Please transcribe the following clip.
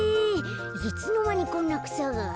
いつのまにこんなくさが？